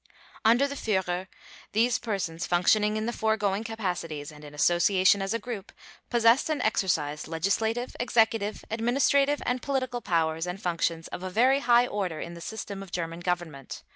Under the Führer, these persons functioning in the foregoing capacities and in association as a group, possessed and exercised legislative, executive, administrative, and political powers and functions of a very high order in the system of German Government.